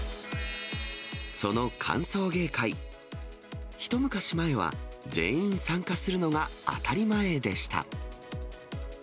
その歓送迎会、一昔前は、全員参加するのが当たり前でした。